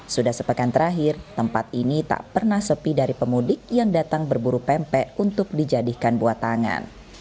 sudah sepekan terakhir tempat ini tak pernah sepi dari pemudik yang datang berburu pempek untuk dijadikan buatangan